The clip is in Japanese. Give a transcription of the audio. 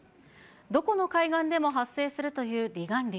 どこの海岸でも発生するという離岸流。